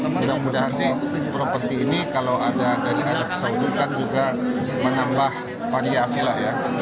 mudah mudahan sih properti ini kalau ada dari arab saudi kan juga menambah variasi lah ya